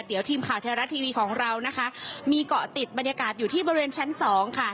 เดี๋ยวทีมข่าวไทยรัฐทีวีของเรานะคะมีเกาะติดบรรยากาศอยู่ที่บริเวณชั้นสองค่ะ